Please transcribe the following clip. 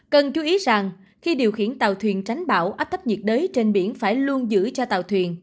cần chú ý rằng khi điều khiển tàu thuyền tránh bão áp thấp nhiệt đới trên biển phải luôn giữ cho tàu thuyền